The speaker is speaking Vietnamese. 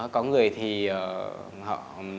có người thì họ